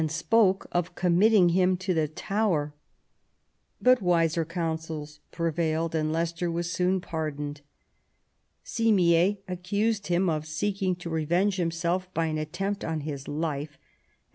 spoke of committing him to the Tower. But wiser councils prevailed, and Leicester was soon pardoned. Simier accused him of seeking to revenge himself by an attempt on his life, and lyo QUEEN ELIZABETH.